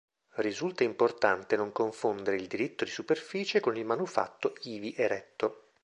Risulta importante non confondere il diritto di superficie con il manufatto ivi eretto.